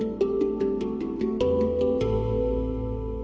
はい。